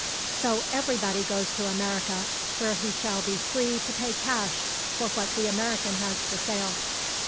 "So everybody goes to America, where he shall be free to pay cash for what the American has for sale.